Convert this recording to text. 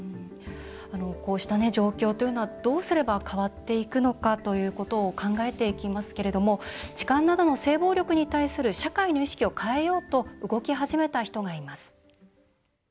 こうした状況というのはどうすれば変わっていくのかということを考えていきますけれども痴漢などの性暴力に対する社会の意識を変えようと動き始めた人がいます。